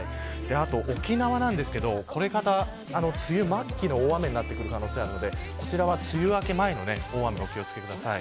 あと、沖縄なんですけどこれから梅雨末期の大雨になってくる可能性があるのでこちらは梅雨明け前の大雨にお気を付けください。